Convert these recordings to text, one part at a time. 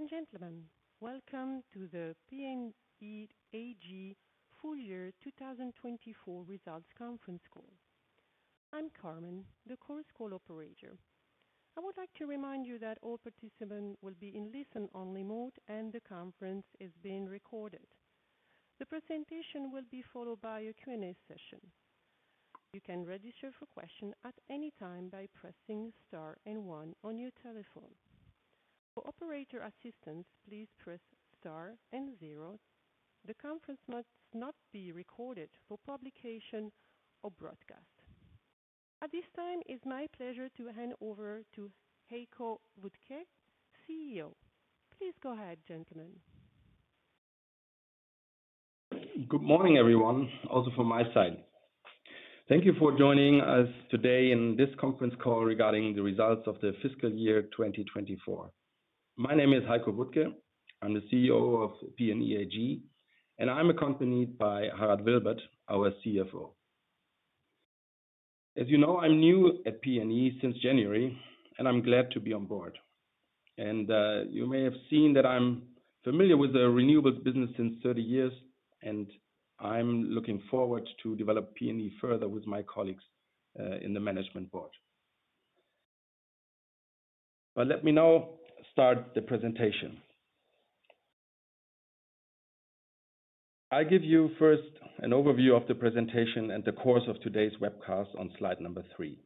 Ladies and gentlemen, welcome to the PNE AG full year 2024 results conference call. I'm Carmen, the Chorus Call operator. I would like to remind you that all participants will be in listen-only mode and the conference is being recorded. The presentation will be followed by a Q&A session. You can register for questions at any time by pressing star and one on your telephone. For operator assistance, please press star and zero. The conference must not be recorded for publication or broadcast. At this time, it's my pleasure to hand over to Heiko Wuttke, CEO. Please go ahead, gentlemen. Good morning, everyone, also from my side. Thank you for joining us today in this conference call regarding the results of the fiscal year 2024. My name is Heiko Wuttke. I'm the CEO of PNE AG, and I'm accompanied by Harald Wilbert, our CFO. As you know, I'm new at PNE since January, and I'm glad to be on board. You may have seen that I'm familiar with the renewables business since 30 years, and I'm looking forward to developing PNE further with my colleagues in the management board. Let me now start the presentation. I'll give you first an overview of the presentation and the course of today's webcast on slide number three.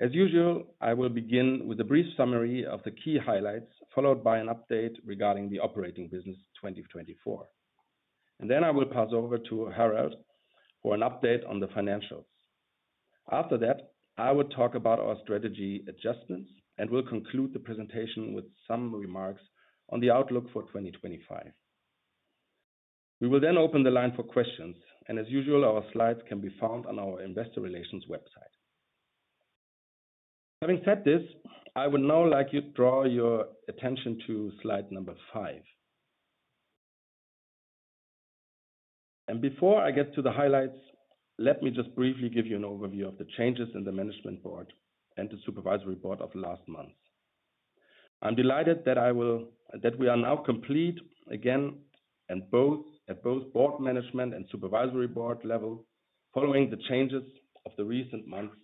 As usual, I will begin with a brief summary of the key highlights, followed by an update regarding the operating business 2024. I will pass over to Harald for an update on the financials. After that, I will talk about our strategy adjustments and will conclude the presentation with some remarks on the outlook for 2025. We will then open the line for questions, and as usual, our slides can be found on our Investor Relations website. Having said this, I would now like you to draw your attention to slide number five. Before I get to the highlights, let me just briefly give you an overview of the changes in the management board and the supervisory board of last month. I'm delighted that we are now complete again at both board management and supervisory board level, following the changes of the recent months.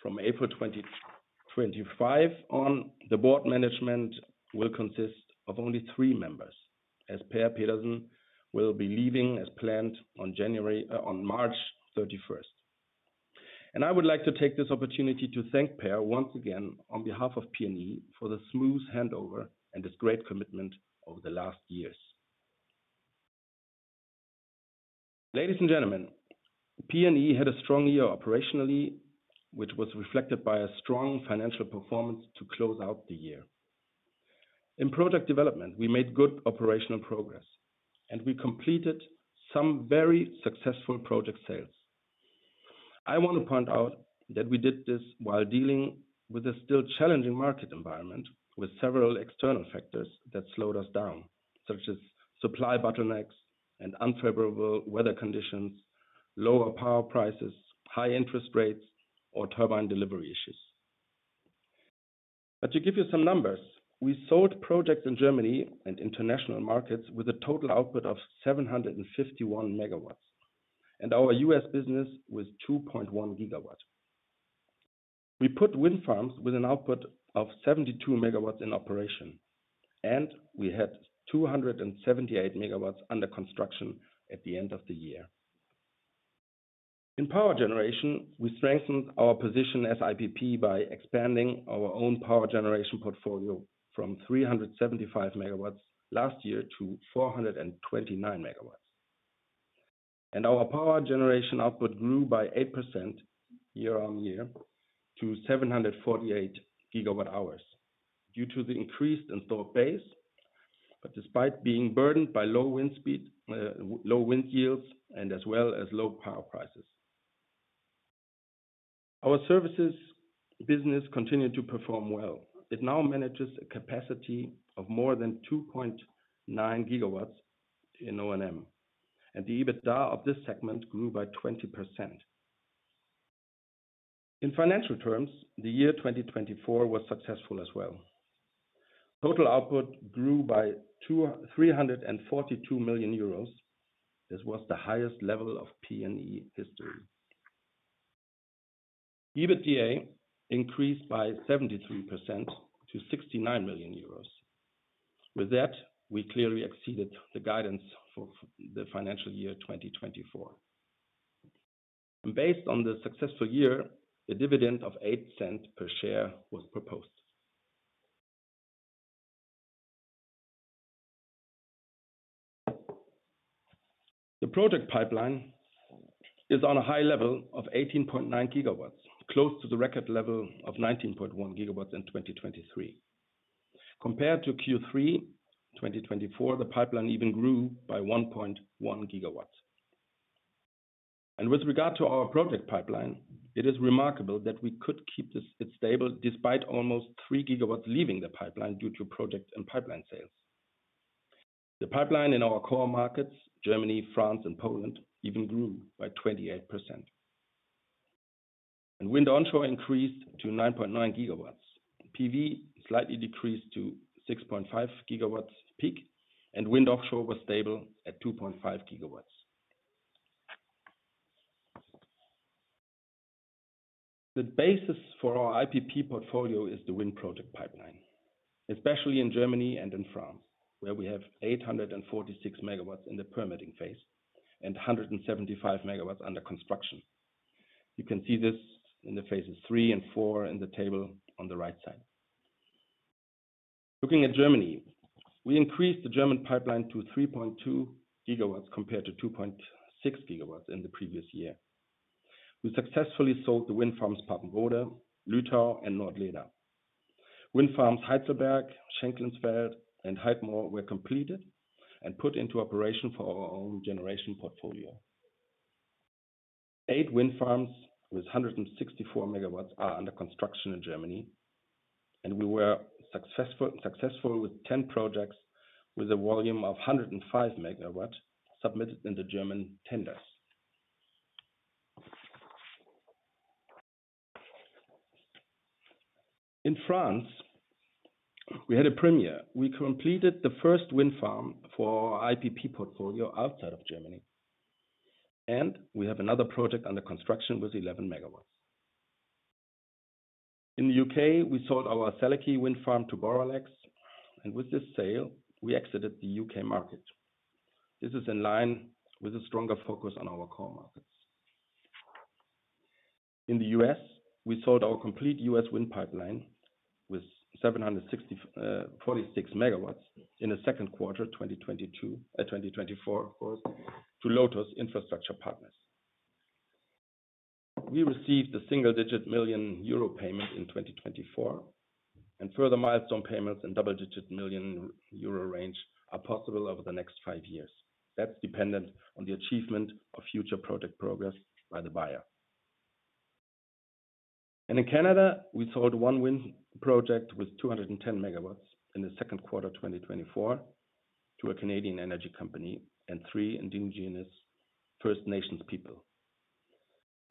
From April 2025 on, the board management will consist of only three members, as Per Pedersen will be leaving as planned on March 31st, 2025. I would like to take this opportunity to thank Per once again on behalf of PNE for the smooth handover and his great commitment over the last years. Ladies and gentlemen, PNE had a strong year operationally, which was reflected by a strong financial performance to close out the year. In project development, we made good operational progress, and we completed some very successful project sales. I want to point out that we did this while dealing with a still challenging market environment, with several external factors that slowed us down, such as supply bottlenecks and unfavorable weather conditions, lower power prices, high interest rates, or turbine delivery issues. To give you some numbers, we sold projects in Germany and international markets with a total output of 751 MW, and our U.S. business was 2.1 GW. We put wind farms with an output of 72 MW in operation, and we had 278 MW under construction at the end of the year. In power generation, we strengthened our position as IPP by expanding our own power generation portfolio from 375 MW last year to 429 MW. Our power generation output grew by 8% year on year to 748 GWh due to the increased installed base, despite being burdened by low wind speed, low wind yields, as well as low power prices. Our services business continued to perform well. It now manages a capacity of more than 2.9 GW in O&M, and the EBITDA of this segment grew by 20%. In financial terms, the year 2024 was successful as well. Total output grew by 342 million euros. This was the highest level of PNE history. EBITDA increased by 73% to 69 million euros. With that, we clearly exceeded the guidance for the financial year 2024. Based on the successful year, a dividend of 0.08 per share was proposed. The project pipeline is on a high level of 18.9 GW, close to the record level of 19.1 GW in 2023. Compared to Q3 2024, the pipeline even grew by 1.1 GW. With regard to our project pipeline, it is remarkable that we could keep it stable despite almost 3 GW leaving the pipeline due to project and pipeline sales. The pipeline in our core markets, Germany, France, and Poland, even grew by 28%. Wind onshore increased to 9.9 GW. PV slightly decreased to 6.5 GW peak, and wind offshore was stable at 2.5 GW. The basis for our IPP portfolio is the wind project pipeline, especially in Germany and in France, where we have 846 MW in the permitting phase and 175 MW under construction. You can see this in the phases III and IV in the table on the right side. Looking at Germany, we increased the German pipeline to 3.2 GW compared to 2.6 GW in the previous year. We successfully sold the wind farms Papenrode, Lütau, and Nordleda. Wind farms Holzhäuser Berg, Schenklengsfeld, and Heidmoor were completed and put into operation for our own generation portfolio. Eight wind farms with 164 MW are under construction in Germany, and we were successful with 10 projects with a volume of 105 MW submitted in the German tenders. In France, we had a premiere. We completed the first wind farm for our IPP portfolio outside of Germany, and we have another project under construction with 11 MW. In the U.K., we sold our Sallachy wind farm to Boralex, and with this sale, we exited the U.K. market. This is in line with a stronger focus on our core markets. In the U.S., we sold our complete U.S. wind pipeline with 746 MW in the second quarter 2024, of course, to Lotus Infrastructure Partners. We received a single-digit million euro payment in 2024, and further milestone payments in the double-digit million euro range are possible over the next five years. That is dependent on the achievement of future project progress by the buyer. In Canada, we sold one wind project with 210 MW in the second quarter 2024 to a Canadian energy company and three Indigenous First Nations people.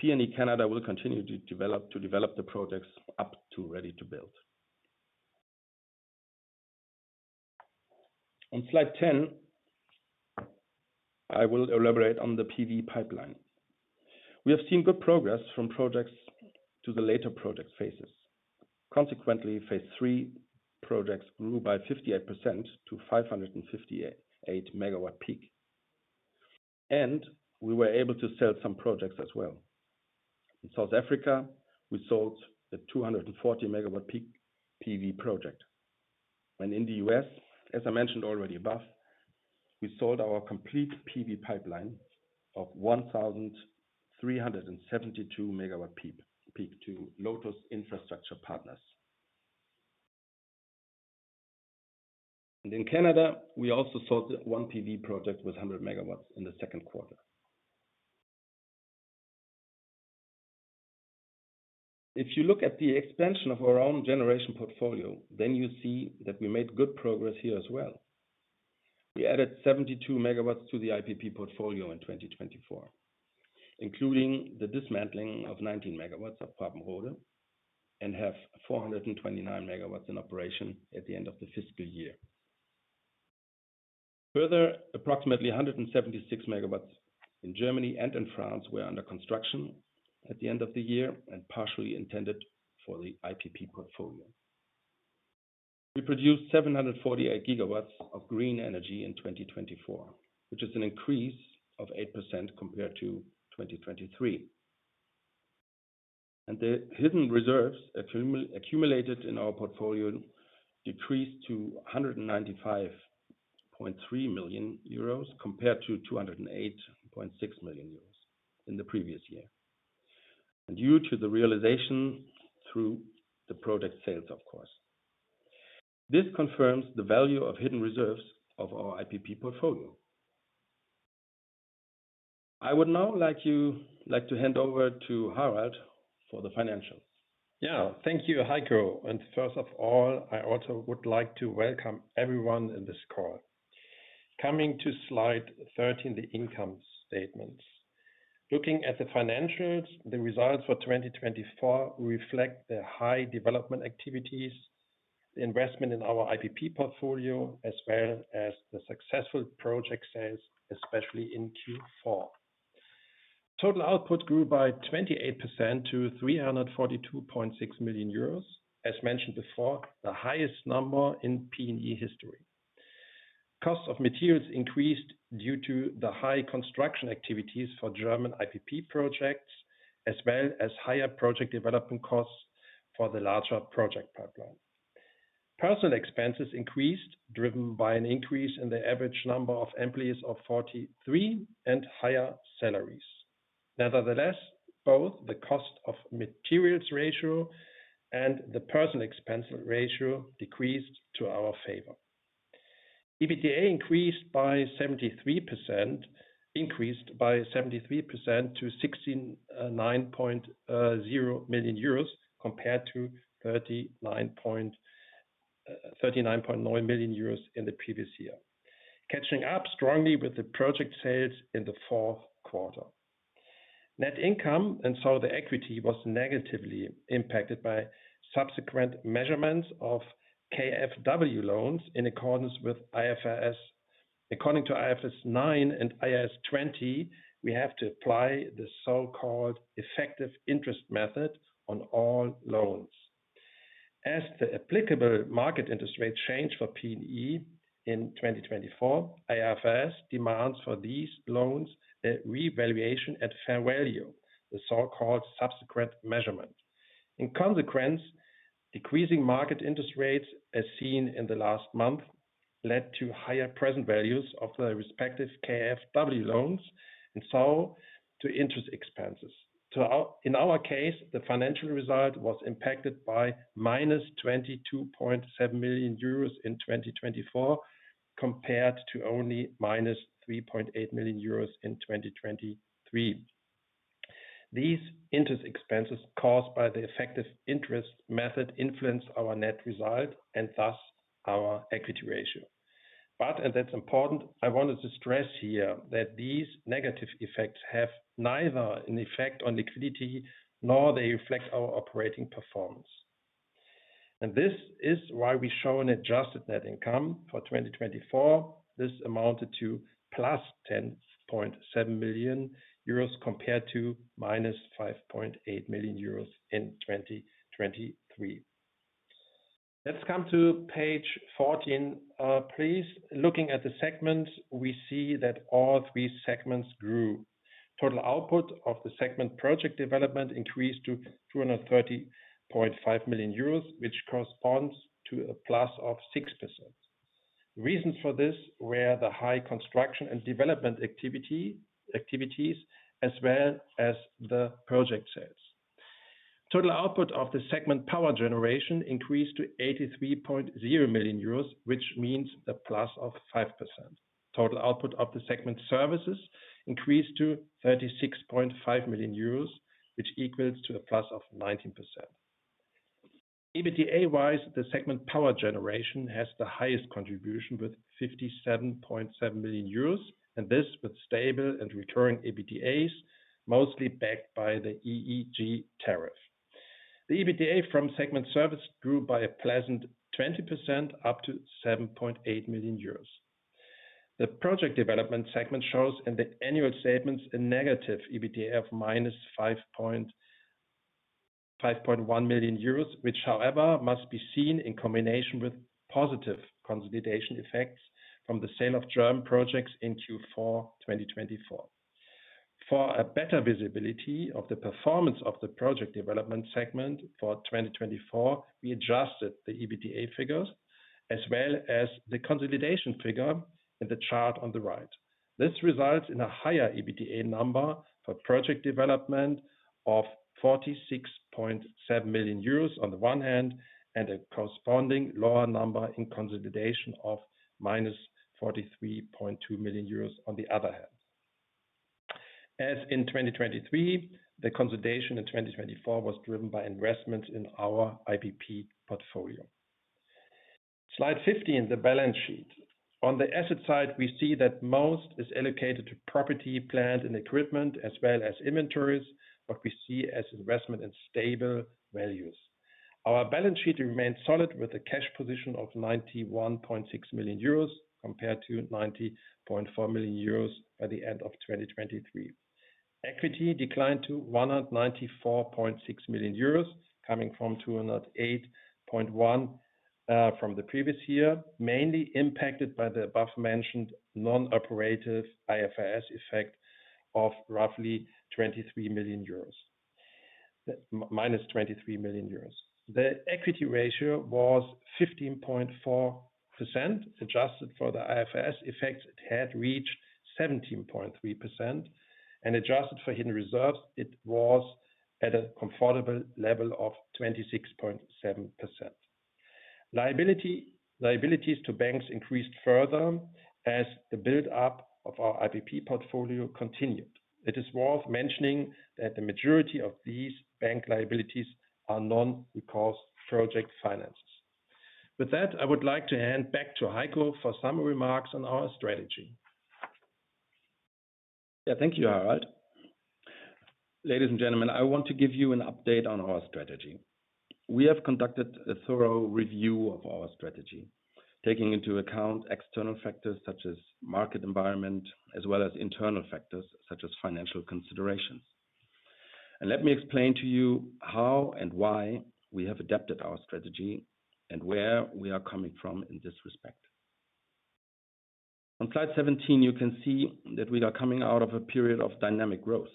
PNE Canada will continue to develop the projects up to ready to build. On slide 10, I will elaborate on the PV pipeline. We have seen good progress from projects to the later project phases. Consequently, phase III projects grew by 58% to 558 MW peak, and we were able to sell some projects as well. In South Africa, we sold a 240 MW peak PV project. In the U.S., as I mentioned already above, we sold our complete PV pipeline of 1,372 MW peak to Lotus Infrastructure Partners. In Canada, we also sold one PV project with 100 MW in the second quarter. If you look at the expansion of our own generation portfolio, then you see that we made good progress here as well. We added 72 MW to the IPP portfolio in 2024, including the dismantling of 19 MW of Papenrode, and have 429 MW in operation at the end of the fiscal year. Further, approximately 176 MW in Germany and in France were under construction at the end of the year and partially intended for the IPP portfolio. We produced 748 GW hours of green energy in 2024, which is an increase of 8% compared to 2023. The hidden reserves accumulated in our portfolio decreased to 195.3 million euros compared to 208.6 million euros in the previous year, due to the realization through the project sales, of course. This confirms the value of hidden reserves of our IPP portfolio. I would now like to hand over to Harald for the financials. Yeah, thank you, Heiko. First of all, I also would like to welcome everyone in this call. Coming to slide 13, the income statements. Looking at the financials, the results for 2024 reflect the high development activities, the investment in our IPP portfolio, as well as the successful project sales, especially in Q4. Total output grew by 28% to 342.6 million euros, as mentioned before, the highest number in PNE history. Cost of materials increased due to the high construction activities for German IPP projects, as well as higher project development costs for the larger project pipeline. Personnel expenses increased, driven by an increase in the average number of employees of 43 and higher salaries. Nevertheless, both the cost of materials ratio and the personnel expense ratio decreased to our favor. EBITDA increased by 73%, increased by 73% to 69.0 million euros compared to 39.9 million euros in the previous year, catching up strongly with the project sales in the fourth quarter. Net income, and so the equity, was negatively impacted by subsequent measurements of KfW loans in accordance with IFRS. According to IFRS 9 and IAS 20, we have to apply the so-called effective interest method on all loans. As the applicable market interest rate changed for PNE in 2024, IFRS demands for these loans a revaluation at fair value, the so-called subsequent measurement. In consequence, decreasing market interest rates, as seen in the last month, led to higher present values of the respective KfW loans, and so to interest expenses. In our case, the financial result was impacted by -22.7 million euros in 2024 compared to only -3.8 million euros in 2023. These interest expenses caused by the effective interest method influenced our net result and thus our equity ratio. I wanted to stress here that these negative effects have neither an effect on liquidity nor do they reflect our operating performance. This is why we show an adjusted net income for 2024. This amounted to +10.7 million euros compared to -5.8 million euros in 2023. Let's come to page 14, please. Looking at the segments, we see that all three segments grew. Total output of the segment project development increased to 230.5 million euros, which corresponds to a +6%. The reasons for this were the high construction and development activities, as well as the project sales. Total output of the segment power generation increased to 83.0 million euros, which means a +5%. Total output of the segment services increased to 36.5 million euros, which equals a plus of 19%. EBITDA-wise, the segment power generation has the highest contribution with 57.7 million euros, and this with stable and recurring EBITDAs, mostly backed by the EEG tariff. The EBITDA from segment service grew by a pleasant 20% up to 7.8 million euros. The project development segment shows in the annual statements a negative EBITDA of -5.1 million euros, which, however, must be seen in combination with positive consolidation effects from the sale of German projects in Q4 2024. For a better visibility of the performance of the project development segment for 2024, we adjusted the EBITDA figures, as well as the consolidation figure in the chart on the right. This results in a higher EBITDA number for project development of 46.7 million euros on the one hand, and a corresponding lower number in consolidation of -43.2 million euros on the other hand. As in 2023, the consolidation in 2024 was driven by investments in our IPP portfolio. Slide 15, the balance sheet. On the asset side, we see that most is allocated to property, plants, and equipment, as well as inventories, what we see as investment in stable values. Our balance sheet remained solid with a cash position of 91.6 million euros compared to 90.4 million euros by the end of 2023. Equity declined to 194.6 million euros, coming from 208.1 million from the previous year, mainly impacted by the above-mentioned non-operative IFRS effect of roughly 23 million euros, -23 million euros. The equity ratio was 15.4%. Adjusted for the IFRS effects, it had reached 17.3%, and adjusted for hidden reserves, it was at a comfortable level of 26.7%. Liabilities to banks increased further as the build-up of our IPP portfolio continued. It is worth mentioning that the majority of these bank liabilities are non-recourse project finances. With that, I would like to hand back to Heiko for some remarks on our strategy. Yeah, thank you, Harald. Ladies and gentlemen, I want to give you an update on our strategy. We have conducted a thorough review of our strategy, taking into account external factors such as market environment, as well as internal factors such as financial considerations. Let me explain to you how and why we have adapted our strategy and where we are coming from in this respect. On slide 17, you can see that we are coming out of a period of dynamic growth.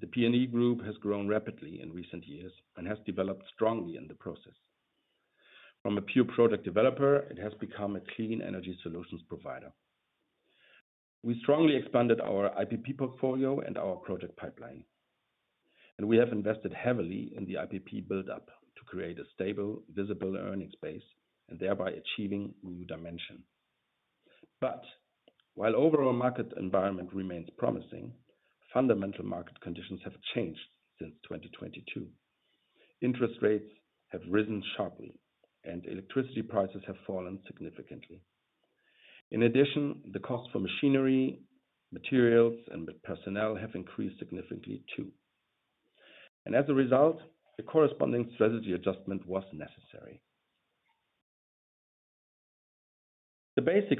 The PNE Group has grown rapidly in recent years and has developed strongly in the process. From a pure project developer, it has become a clean energy solutions provider. We strongly expanded our IPP portfolio and our project pipeline, and we have invested heavily in the IPP build-up to create a stable, visible earnings base and thereby achieving new dimensions. While the overall market environment remains promising, fundamental market conditions have changed since 2022. Interest rates have risen sharply, and electricity prices have fallen significantly. In addition, the costs for machinery, materials, and personnel have increased significantly too. As a result, a corresponding strategy adjustment was necessary. The basic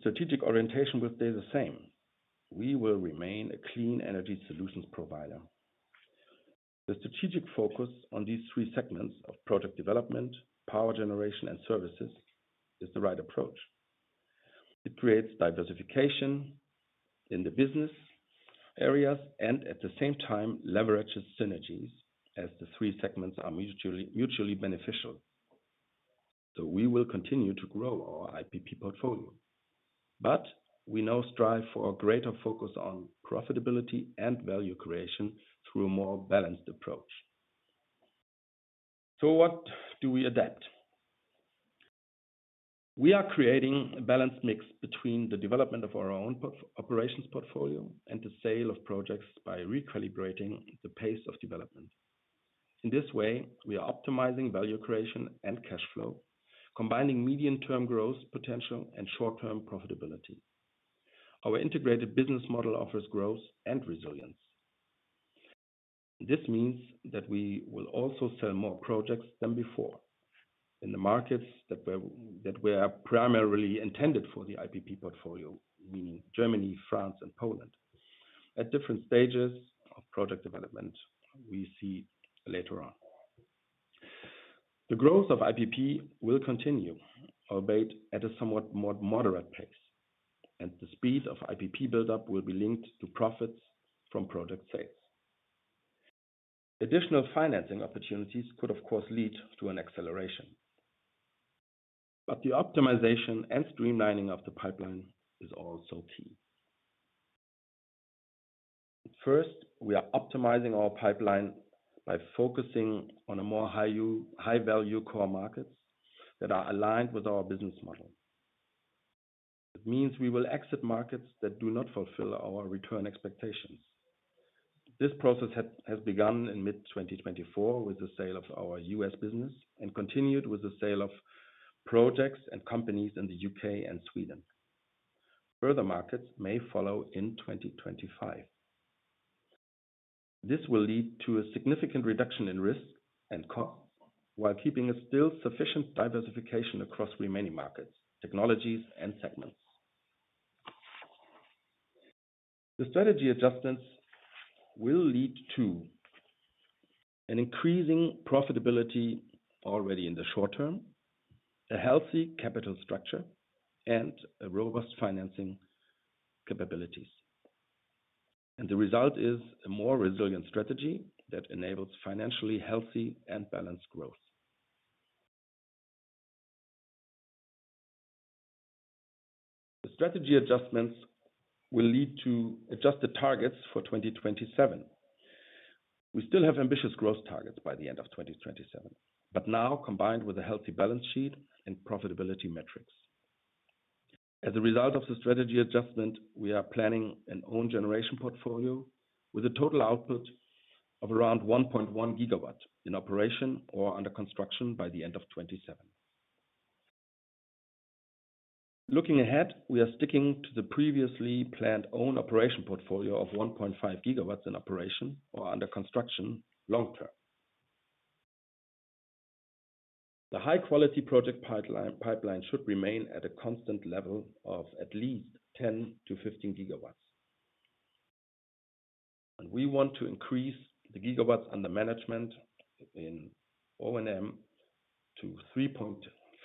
strategic orientation will stay the same. We will remain a clean energy solutions provider. The strategic focus on these three segments of project development, power generation, and services is the right approach. It creates diversification in the business areas and, at the same time, leverages synergies as the three segments are mutually beneficial. We will continue to grow our IPP portfolio. We now strive for a greater focus on profitability and value creation through a more balanced approach. What do we adapt? We are creating a balanced mix between the development of our own operations portfolio and the sale of projects by recalibrating the pace of development. In this way, we are optimizing value creation and cash flow, combining medium-term growth potential and short-term profitability. Our integrated business model offers growth and resilience. This means that we will also sell more projects than before in the markets that were primarily intended for the IPP portfolio, meaning Germany, France, and Poland, at different stages of project development we see later on. The growth of IPP will continue albeit at a somewhat more moderate pace, and the speed of IPP build-up will be linked to profits from project sales. Additional financing opportunities could, of course, lead to an acceleration. The optimization and streamlining of the pipeline is also key. First, we are optimizing our pipeline by focusing on more high-value core markets that are aligned with our business model. It means we will exit markets that do not fulfill our return expectations. This process has begun in mid-2024 with the sale of our U.S. business and continued with the sale of projects and companies in the U.K. and Sweden. Further markets may follow in 2025. This will lead to a significant reduction in risk and costs while keeping a still sufficient diversification across remaining markets, technologies, and segments. The strategy adjustments will lead to an increasing profitability already in the short term, a healthy capital structure, and robust financing capabilities. The result is a more resilient strategy that enables financially healthy and balanced growth. The strategy adjustments will lead to adjusted targets for 2027. We still have ambitious growth targets by the end of 2027, but now combined with a healthy balance sheet and profitability metrics. As a result of the strategy adjustment, we are planning an own-generation portfolio with a total output of around 1.1 GW in operation or under construction by the end of 2027. Looking ahead, we are sticking to the previously planned own-operation portfolio of 1.5 GW in operation or under construction long term. The high-quality project pipeline should remain at a constant level of at least 10-15 GW. We want to increase the gigawatts under management in O&M to 3.5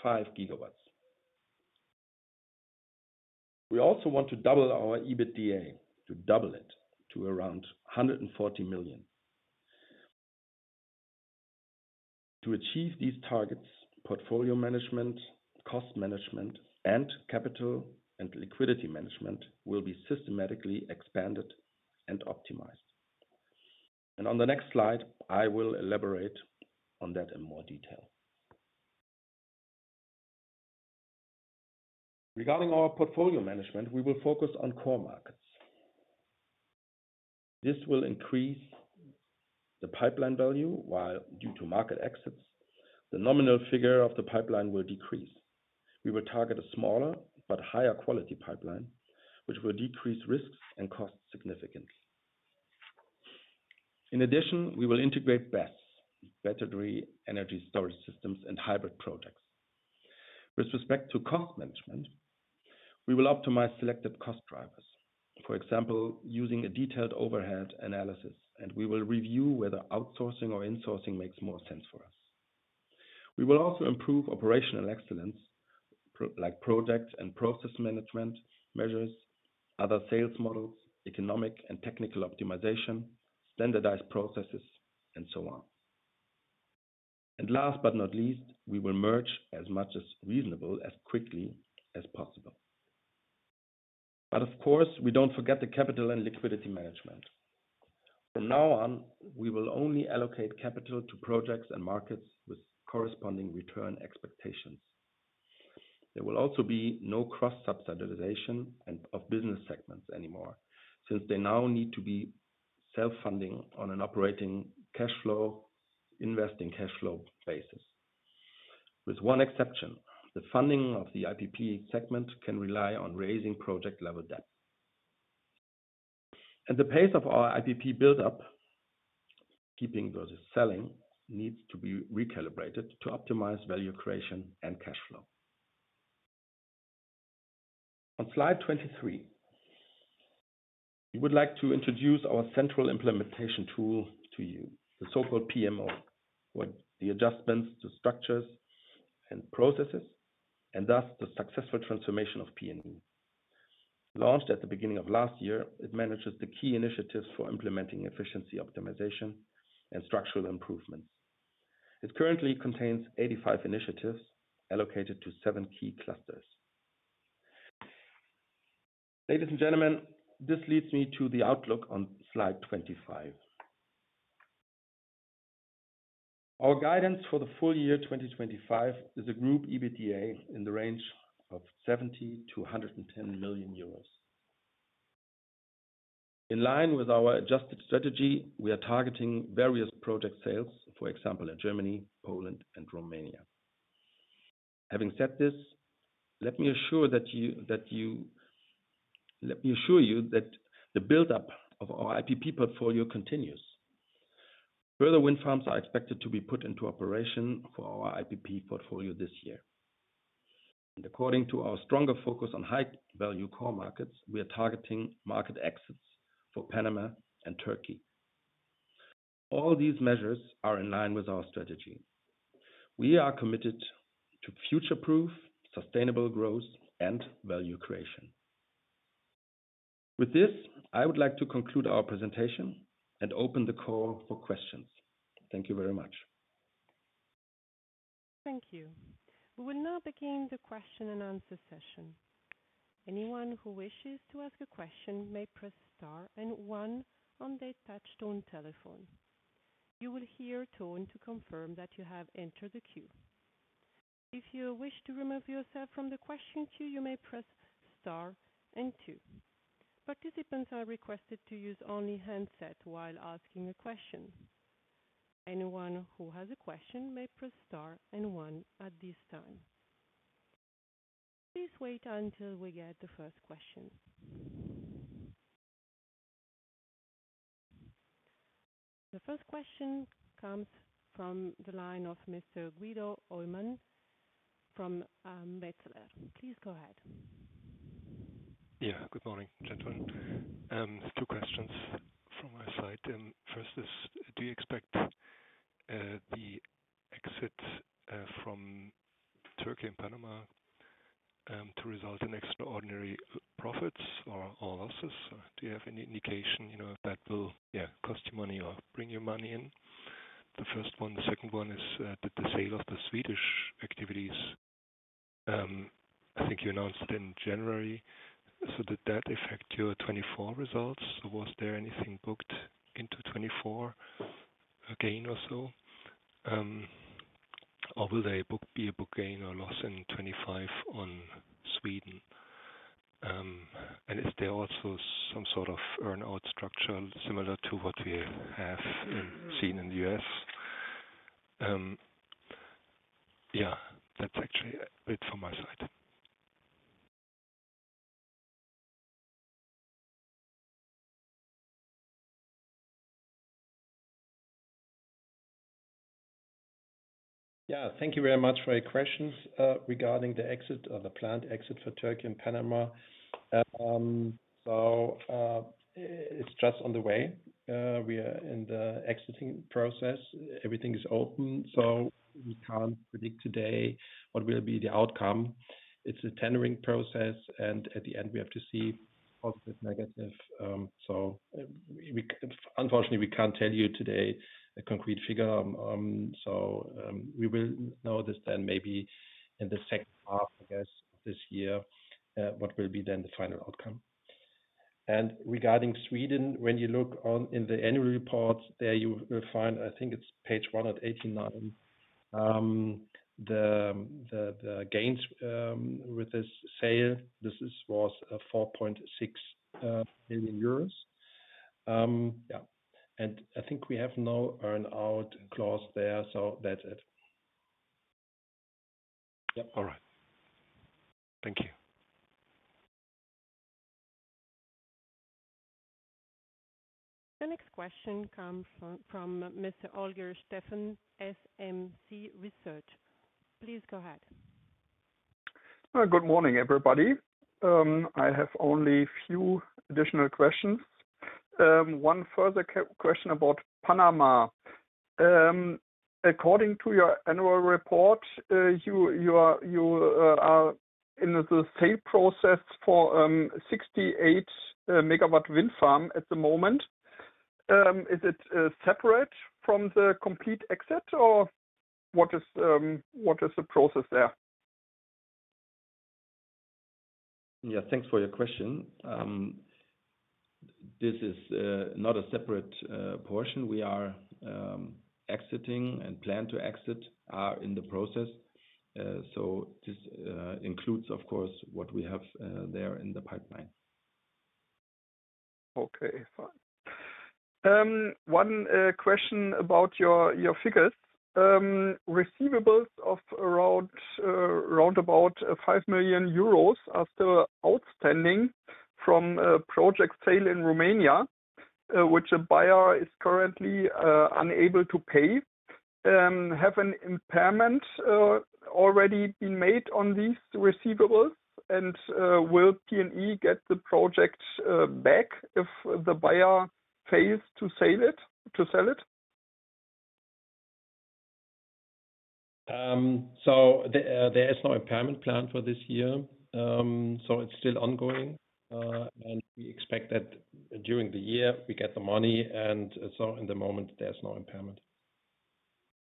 GW. We also want to double our EBITDA to around 140 million. To achieve these targets, portfolio management, cost management, and capital and liquidity management will be systematically expanded and optimized. On the next slide, I will elaborate on that in more detail. Regarding our portfolio management, we will focus on core markets. This will increase the pipeline value, while due to market exits, the nominal figure of the pipeline will decrease. We will target a smaller but higher-quality pipeline, which will decrease risks and costs significantly. In addition, we will integrate BESS, Battery Energy Storage Systems, and hybrid projects. With respect to cost management, we will optimize selected cost drivers, for example, using a detailed overhead analysis, and we will review whether outsourcing or insourcing makes more sense for us. We will also improve operational excellence, like project and process management measures, other sales models, economic and technical optimization, standardized processes, and so on. Last but not least, we will merge as much as reasonable as quickly as possible. Of course, we don't forget the capital and liquidity management. From now on, we will only allocate capital to projects and markets with corresponding return expectations. There will also be no cross-subsidization of business segments anymore since they now need to be self-funding on an operating cash flow, investing cash flow basis. With one exception, the funding of the IPP segment can rely on raising project-level debt. The pace of our IPP build-up, keeping versus selling, needs to be recalibrated to optimize value creation and cash flow. On slide 23, we would like to introduce our central implementation tool to you, the so-called PMO, for the adjustments to structures and processes and thus the successful transformation of PNE. Launched at the beginning of last year, it manages the key initiatives for implementing efficiency optimization and structural improvements. It currently contains 85 initiatives allocated to seven key clusters. Ladies and gentlemen, this leads me to the outlook on slide 25. Our guidance for the full year 2025 is a group EBITDA in the range of 70 million-110 million euros. In line with our adjusted strategy, we are targeting various project sales, for example, in Germany, Poland, and Romania. Having said this, let me assure you that the build-up of our IPP portfolio continues. Further wind farms are expected to be put into operation for our IPP portfolio this year. According to our stronger focus on high-value core markets, we are targeting market exits for Panama and Turkey. All these measures are in line with our strategy. We are committed to future-proof, sustainable growth, and value creation. With this, I would like to conclude our presentation and open the call for questions. Thank you very much. Thank you. We will now begin the question and answer session. Anyone who wishes to ask a question may press star and one on the touch-tone telephone. You will hear a tone to confirm that you have entered the queue. If you wish to remove yourself from the question queue, you may press star and two. Participants are requested to use only handset while asking a question. Anyone who has a question may press star and one at this time. Please wait until we get the first question. The first question comes from the line of Mr. Guido Hoymann from Metzler. Please go ahead. Yeah, good morning, gentlemen. Two questions from my side. First is, do you expect the exit from Turkey and Panama to result in extraordinary profits or losses? Do you have any indication that will, yeah, cost you money or bring you money in? The first one. The second one is the sale of the Swedish activities. I think you announced it in January. Did that affect your 2024 results? Was there anything booked into 2024 gain or so? Or will there be a book gain or loss in 2025 on Sweden? And is there also some sort of earn-out structure similar to what we have seen in the U.S.? Yeah, that's actually it from my side. Yeah, thank you very much for your questions regarding the exit or the planned exit for Turkey and Panama. It is just on the way. We are in the exiting process. Everything is open. We can't predict today what will be the outcome. It is a tendering process. At the end, we have to see, positive, negative. Unfortunately, we can't tell you today a concrete figure. We will know this then maybe in the second half, I guess, of this year, what will be then the final outcome. Regarding Sweden, when you look in the annual report, there you will find, I think it is page 189, the gains with this sale. This was 4.6 million euros. I think we have no earn-out clause there. That is it. Yep. All right. Thank you. The next question comes from Mr. Holger Steffen, SMC Research. Please go ahead. Good morning, everybody. I have only a few additional questions. One further question about Panama. According to your annual report, you are in the sale process for a 68 MW wind farm at the moment. Is it separate from the complete exit, or what is the process there? Yeah, thanks for your question. This is not a separate portion. We are exiting and plan to exit, are in the process. This includes, of course, what we have there in the pipeline. Okay, fine. One question about your figures. Receivables of around about 5 million euros are still outstanding from a project sale in Romania, which a buyer is currently unable to pay. Have an impairment already been made on these receivables? Will PNE get the project back if the buyer fails to sell it? There is no impairment planned for this year. It is still ongoing. We expect that during the year, we get the money. At the moment, there is no impairment.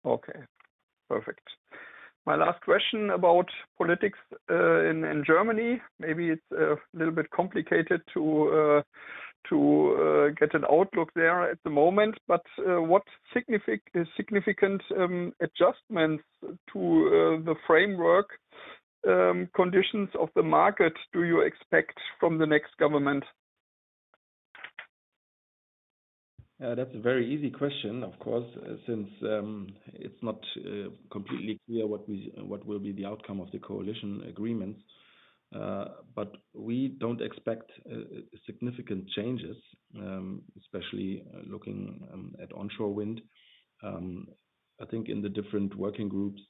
Okay, perfect. My last question about politics in Germany. Maybe it's a little bit complicated to get an outlook there at the moment. What significant adjustments to the framework conditions of the market do you expect from the next government? Yeah, that's a very easy question, of course, since it's not completely clear what will be the outcome of the coalition agreements. We don't expect significant changes, especially looking at onshore wind. I think in the different working groups,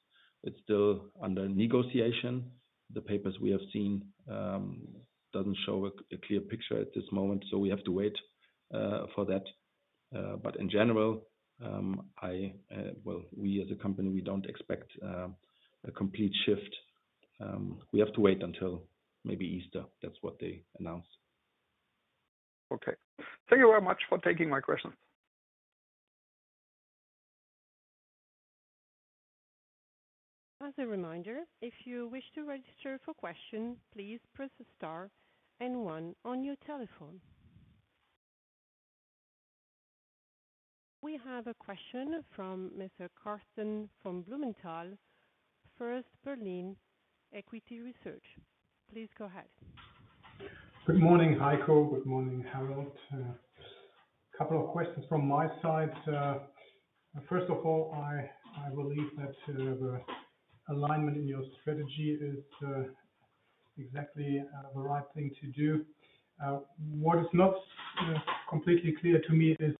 it's still under negotiation. The papers we have seen don't show a clear picture at this moment. We have to wait for that. In general, we as a company, we don't expect a complete shift. We have to wait until maybe Easter. That's what they announced. Okay. Thank you very much for taking my questions. As a reminder, if you wish to register for questions, please press star and one on your telephone. We have a question from Mr. Karsten von Blumenthal, First Berlin Equity Research. Please go ahead. Good morning, Heiko. Good morning, Harald. A couple of questions from my side. First of all, I believe that the alignment in your strategy is exactly the right thing to do. What is not completely clear to me is,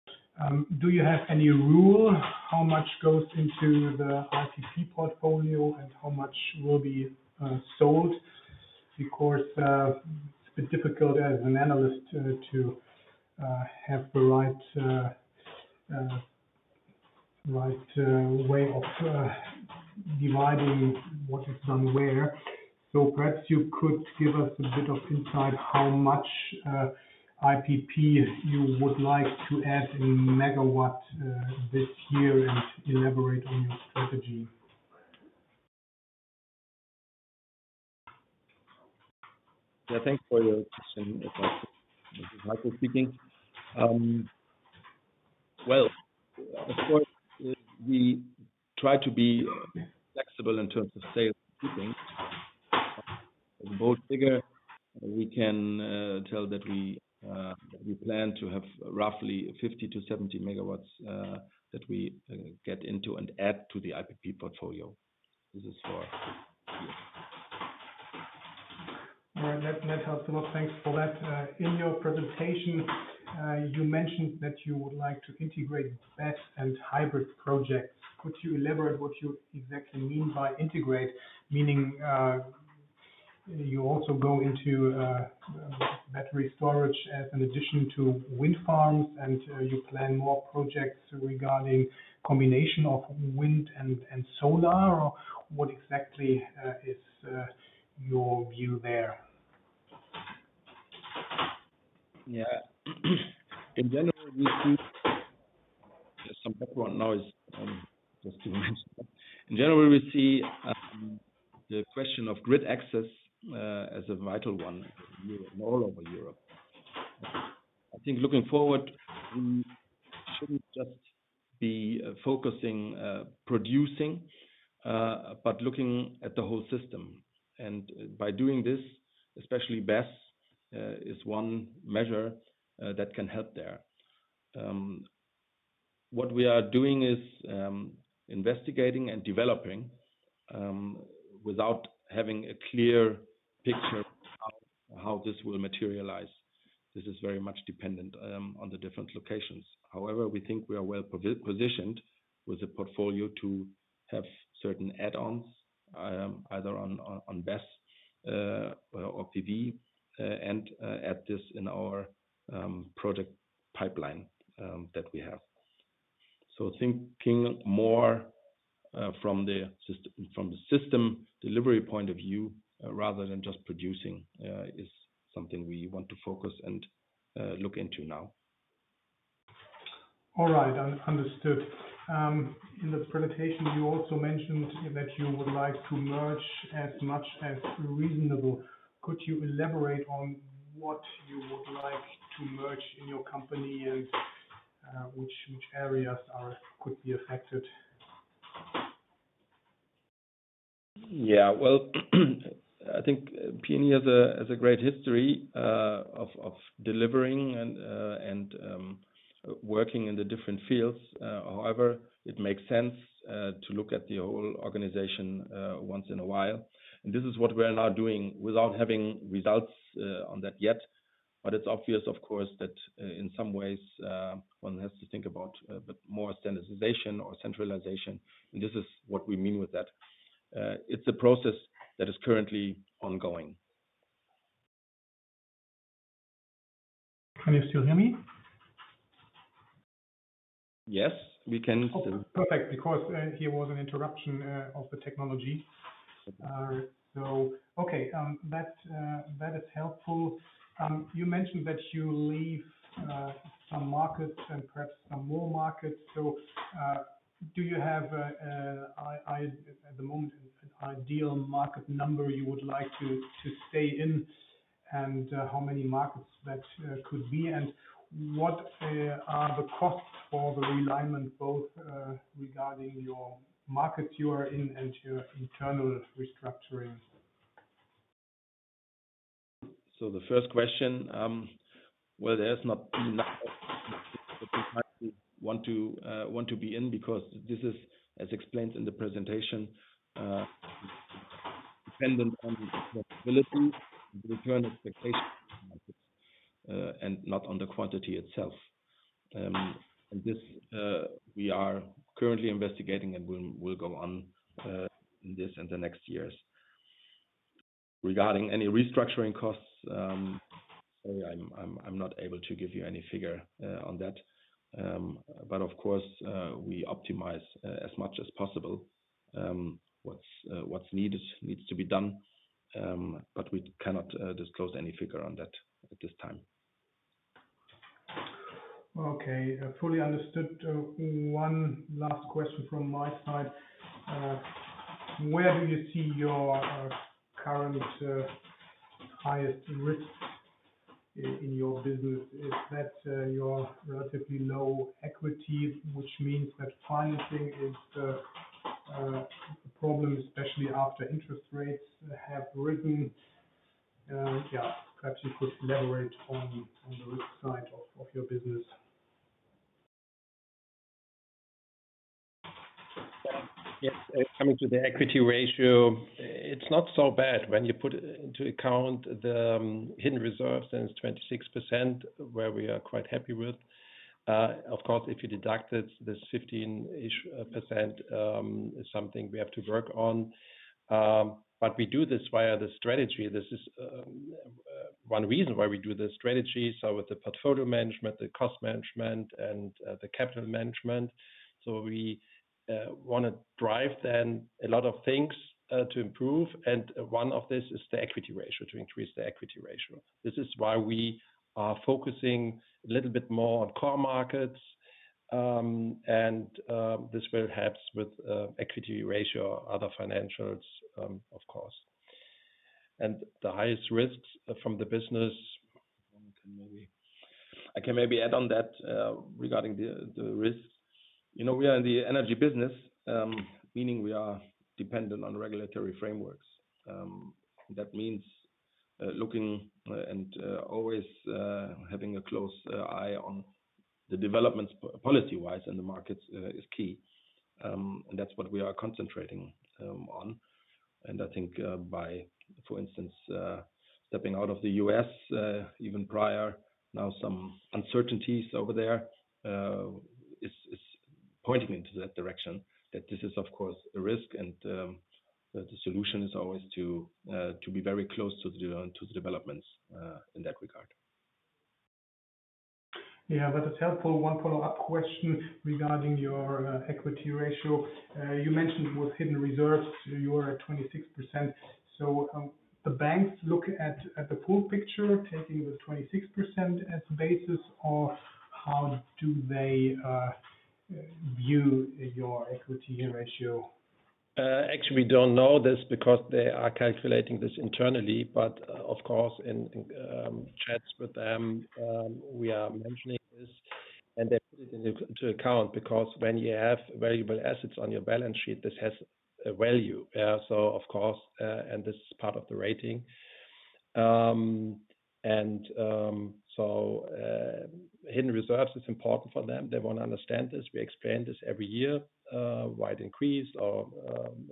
do you have any rule how much goes into the IPP portfolio and how much will be sold? Because it's a bit difficult as an analyst to have the right way of dividing what is done where. Perhaps you could give us a bit of insight how much IPP you would like to add in megawatt this year and elaborate on your strategy. Yeah, thanks for your question. Heiko speaking. Of course, we try to be flexible in terms of sales and shipping. As a bold figure, we can tell that we plan to have roughly 50-70 MW that we get into and add to the IPP portfolio. This is for this year. All right. That helps a lot. Thanks for that. In your presentation, you mentioned that you would like to integrate BESS and hybrid projects. Could you elaborate what you exactly mean by integrate, meaning you also go into battery storage as an addition to wind farms and you plan more projects regarding combination of wind and solar? What exactly is your view there? Yeah. In general, we see some background noise, just to mention. In general, we see the question of grid access as a vital one all over Europe. I think looking forward, we shouldn't just be focusing on producing, but looking at the whole system. By doing this, especially BESS is one measure that can help there. What we are doing is investigating and developing without having a clear picture of how this will materialize. This is very much dependent on the different locations. However, we think we are well positioned with a portfolio to have certain add-ons, either on BESS or PV, and add this in our project pipeline that we have. Thinking more from the system delivery point of view rather than just producing is something we want to focus and look into now. All right. Understood. In the presentation, you also mentioned that you would like to merge as much as reasonable. Could you elaborate on what you would like to merge in your company and which areas could be affected? Yeah. I think PNE has a great history of delivering and working in the different fields. However, it makes sense to look at the whole organization once in a while. This is what we're now doing without having results on that yet. It is obvious, of course, that in some ways, one has to think about a bit more standardization or centralization. This is what we mean with that. It is a process that is currently ongoing. Can you still hear me? Yes, we can still. Oh, perfect, because here was an interruption of the technology. Okay. That is helpful. You mentioned that you leave some markets and perhaps some more markets. Do you have, at the moment, an ideal market number you would like to stay in and how many markets that could be? What are the costs for the realignment, both regarding your markets you are in and your internal restructuring? The first question, there are not enough markets that we might want to be in because this is, as explained in the presentation, dependent on the return expectation and not on the quantity itself. This we are currently investigating and will go on in this in the next years. Regarding any restructuring costs, I am not able to give you any figure on that. Of course, we optimize as much as possible what is needed, needs to be done. We cannot disclose any figure on that at this time. Okay. Fully understood. One last question from my side. Where do you see your current highest risk in your business? Is that your relatively low equity, which means that financing is a problem, especially after interest rates have risen? Yeah, perhaps you could elaborate on the risk side of your business. Yes. Coming to the equity ratio, it's not so bad when you put into account the hidden reserves that is 26%, where we are quite happy with. Of course, if you deduct this, this 15% is something we have to work on. We do this via the strategy. This is one reason why we do this strategy. With the portfolio management, the cost management, and the capital management, we want to drive then a lot of things to improve. One of this is the equity ratio, to increase the equity ratio. This is why we are focusing a little bit more on core markets. This will help with equity ratio or other financials, of course. The highest risks from the business, I can maybe add on that regarding the risks. We are in the energy business, meaning we are dependent on regulatory frameworks. That means looking and always having a close eye on the developments policy-wise in the markets is key. That is what we are concentrating on. I think by, for instance, stepping out of the U.S. even prior, now some uncertainties over there is pointing into that direction that this is, of course, a risk. The solution is always to be very close to the developments in that regard. Yeah, that is helpful. One follow-up question regarding your equity ratio. You mentioned with hidden reserves, you are at 26%. The banks look at the full picture, taking the 26% as a basis of how do they view your equity ratio? Actually, we don't know this because they are calculating this internally. Of course, in chats with them, we are mentioning this. They put it into account because when you have valuable assets on your balance sheet, this has a value. Of course, this is part of the rating. Hidden reserves are important for them. They want to understand this. We explain this every year, why it increased.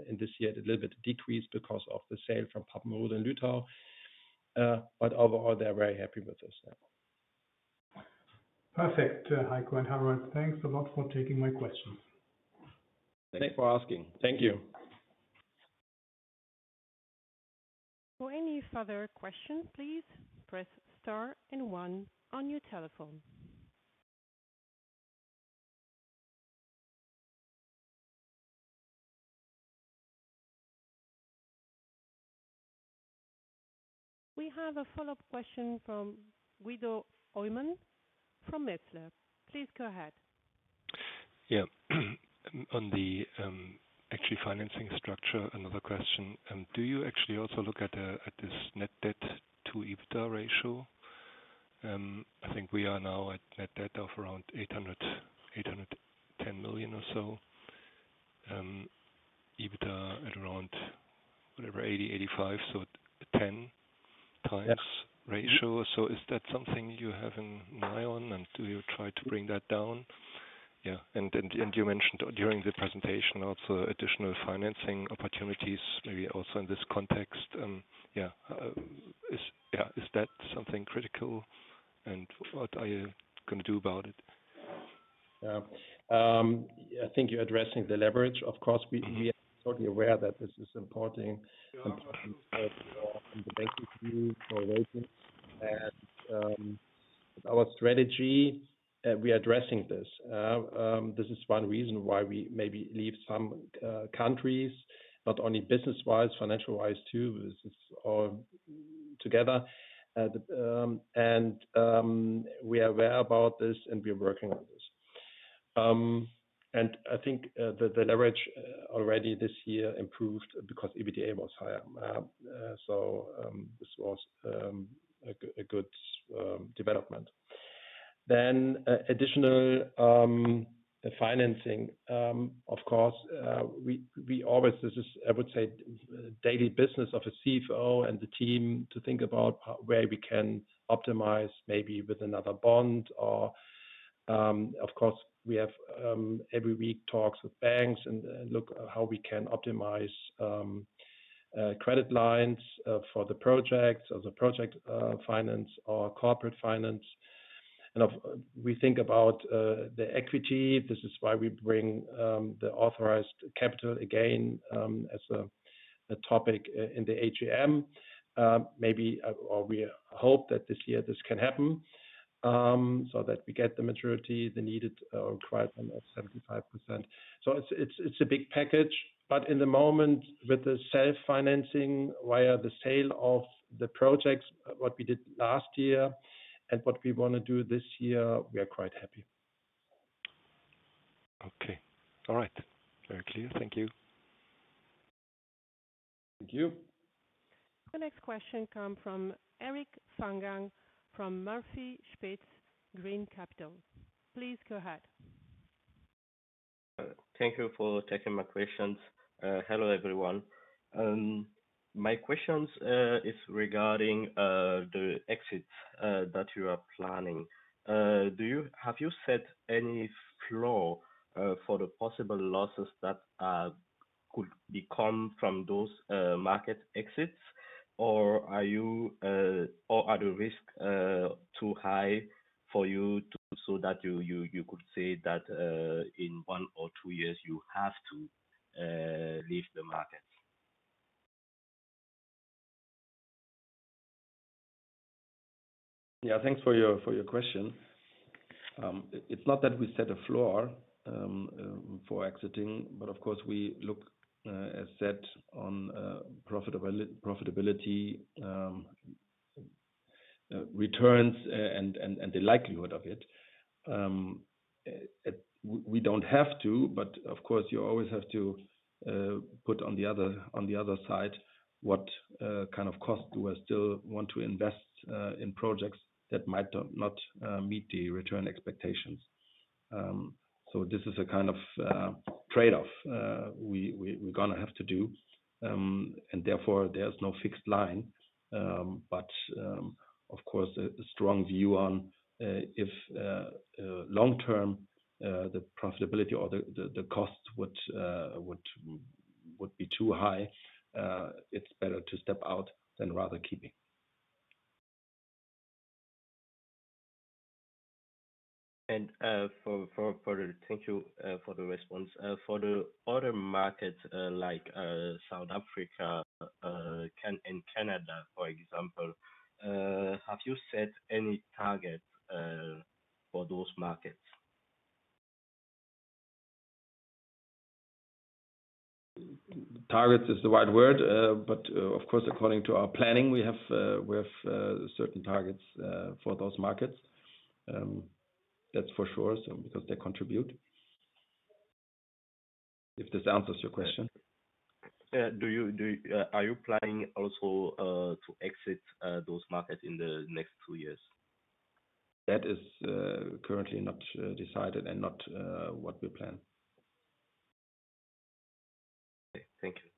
In this year, it a little bit decreased because of the sale from Papenrode and Lütau. Overall, they're very happy with us now. Perfect, Heiko and Harald. Thanks a lot for taking my questions. Thanks for asking. Thank you. For any further questions, please press star and one on your telephone. We have a follow-up question from Guido Hoymann from Metzler. Please go ahead. Yeah. On the actually financing structure, another question. Do you actually also look at this net debt to EBITDA ratio? I think we are now at net debt of around 810 million or so. EBITDA at around, whatever, 80, 85, so 10x ratio. Is that something you have an eye on? Do you try to bring that down? Yeah. You mentioned during the presentation also additional financing opportunities, maybe also in this context. Is that something critical? What are you going to do about it? Yeah. I think you're addressing the leverage. Of course, we are totally aware that this is important for the banking view for rates. With our strategy, we are addressing this. This is one reason why we maybe leave some countries, not only business-wise, financial-wise too, this is all together. We are aware about this and we are working on this. I think the leverage already this year improved because EBITDA was higher. This was a good development. Additional financing, of course, we always, this is, I would say, daily business of a CFO and the team to think about where we can optimize maybe with another bond. Of course, we have every week talks with banks and look how we can optimize credit lines for the projects or the project finance or corporate finance. We think about the equity. This is why we bring the authorized capital again as a topic in the AGM. Maybe, or we hope that this year this can happen so that we get the maturity, the needed or required of 75%. It is a big package. In the moment, with the self-financing via the sale of the projects, what we did last year and what we want to do this year, we are quite happy. Okay. All right. Very clear. Thank you. Thank you. The next question comes from Eric Fagang from Murphy & Spitz Green Capital. Please go ahead. Thank you for taking my questions. Hello everyone. My question is regarding the exits that you are planning. Have you set any floor for the possible losses that could come from those market exits? Or are the risks too high for you so that you could say that in one or two years you have to leave the markets? Yeah. Thanks for your question. It's not that we set a floor for exiting, but of course, we look, as said, on profitability, returns, and the likelihood of it. We don't have to, but of course, you always have to put on the other side what kind of costs do we still want to invest in projects that might not meet the return expectations. This is a kind of trade-off we're going to have to do. Therefore, there's no fixed line. Of course, a strong view on if long-term the profitability or the costs would be too high, it's better to step out than rather keeping. Thank you for the response. For the other markets like South Africa and Canada, for example, have you set any targets for those markets? Targets is the right word. Of course, according to our planning, we have certain targets for those markets. That's for sure because they contribute. If this answers your question. Are you planning also to exit those markets in the next two years? That is currently not decided and not what we plan. Okay. Thank you.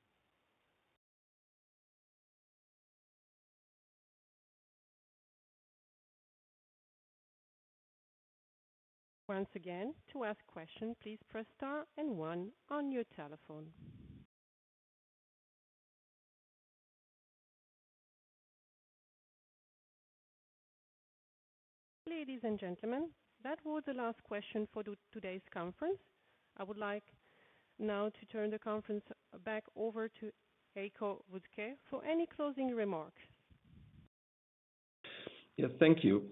Once again, to ask questions, please press star and one on your telephone. Ladies and gentlemen, that was the last question for today's conference. I would like now to turn the conference back over to Heiko Wuttke for any closing remarks. Yes, thank you.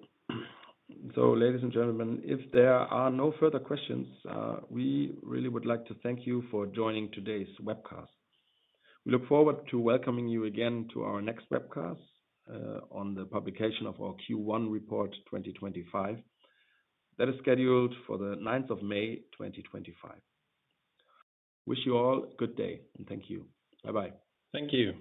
Ladies and gentlemen, if there are no further questions, we really would like to thank you for joining today's webcast. We look forward to welcoming you again to our next webcast on the publication of our Q1 report 2025. That is scheduled for the 9th of May 2025. Wish you all a good day and thank you. Bye-bye. Thank you.